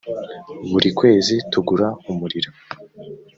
buri kwezi tugura umuriro